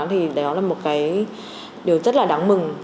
thì đó là một cái điều rất là đáng mừng